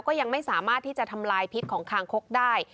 ก็ยังไม่สามารถที่จะทำลายพิษของคางคกได้